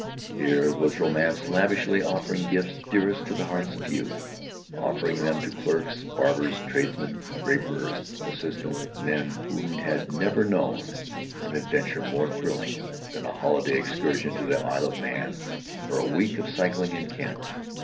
Here was Romance lavishly offering gifts dearest to the hearts of Youth, offering them to clerks, barbers, tradesmen, drapers' assistants, men who had never known an adventure more thrilling than a holiday excursion to the Isle of Man or a week of cycling in Kent.